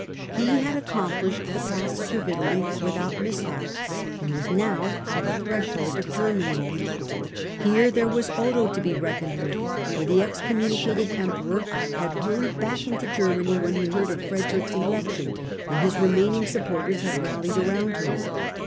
He had accomplished the passage of Italy without mis hap and was now on the threshold of Germany. Here 42 STUPOR MUNDI there was Otho to be reckoned with, for the excommuni cated Emperor had hurried back into Germany when he heard of Frederick's election, and his remaining sup porters had rallied round him.